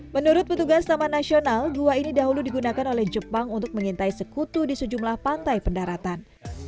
menurut petugas taman nasional gua ini dahulu digunakan oleh jepang untuk mengintai sekutu di sejumlah pantai pendaratan